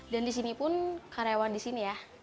dan di sini pun karyawan di sini ya